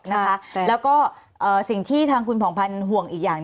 แล้วก็สิ่งที่ทางคุณผ่องพันธ์ห่วงอีกอย่าง